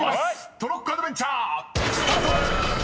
トロッコアドベンチャースタート！］